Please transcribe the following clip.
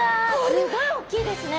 すごいおっきいですね！